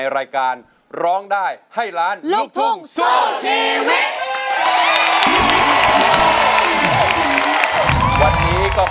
ลูกทุ่งสู้ชีวิต